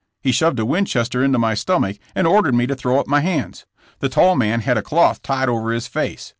He shoved a "Winchester into my stomach and ordered me to throw up my hands. The tall man had a cloth tied over his face.